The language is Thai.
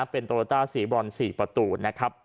เป็นโตโยต้าสีบรอน๔ประตูนะครับ